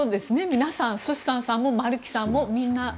皆さん、スッサンさんも丸木さんも、みんな。